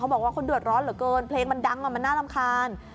เขาบอกว่าคนด่วนร้อนเหรอเกินเพลงมันดังอ่ะมันน่ารำคาญ